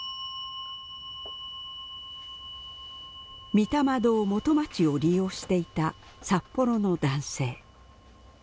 御霊堂元町を利用していた札幌の男性。